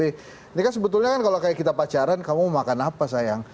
ini kan sebetulnya kan kalau kayak kita pacaran kamu makan apa sayang